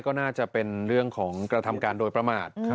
ก็น่าจะเป็นเรื่องของกระทำการโดยประมาท